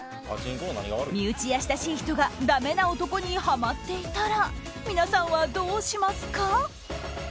身内や親しい人がダメな男にハマっていたら皆さんはどうしますか？